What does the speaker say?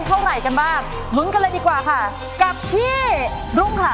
เท่าไหร่กันบ้างลุ้นกันเลยดีกว่าค่ะกับพี่รุ่งค่ะ